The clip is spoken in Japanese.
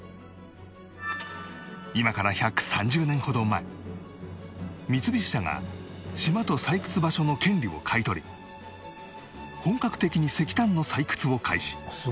今から１３０年ほど前三菱社が島と採掘場所の権利を買い取り本格的に石炭の採掘を開始